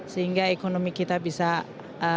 sehingga ekonomi kita bisa berkembang